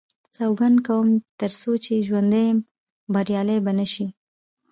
سوګند کوم تر څو چې ژوندی یم بریالی به نه شي.